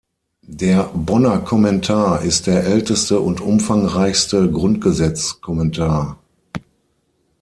Der Bonner Kommentar ist der älteste und umfangreichste Grundgesetz-Kommentar.